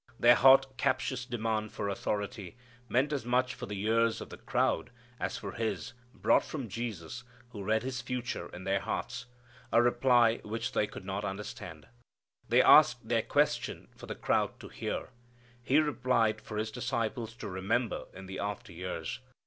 Their hot, captious demand for authority, meant as much for the ears of the crowd as for His, brought from Jesus, who read His future in their hearts, a reply which they could not understand. They asked their question for the crowd to hear, He replied for His disciples to remember in the after years.